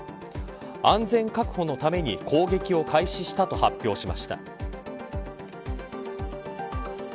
安全確保のために攻撃を開始したと発表しました。